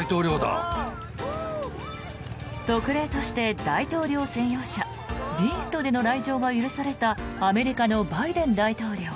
特例として大統領専用車ビーストでの来場が許されたアメリカのバイデン大統領。